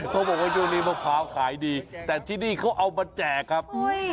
ช่วงนี้มะพร้าวขายดีแต่ที่นี่เขาเอามาแจกครับ